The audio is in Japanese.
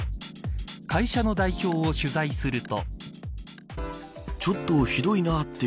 会社の代表を取材すると。